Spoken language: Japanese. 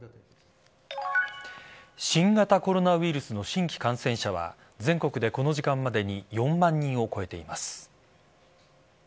新型コロナウイルスの新規感染者は全国でこの時間までに４万人を超えています。